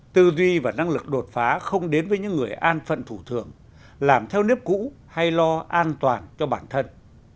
tư duy và năng lực đột phá không đến với những người an phận thủ thường làm theo nếp cũ hay lo an toàn cho bản thân